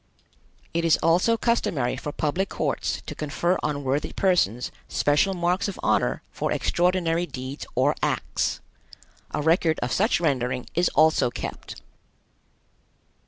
It is also customary for public courts to confer on worthy persons special marks of honor for extraordinary deeds or acts. A record of such rendering is also kept.